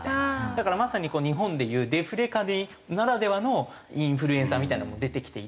だからまさに日本で言うデフレ下ならではのインフルエンサーみたいなのも出てきていて。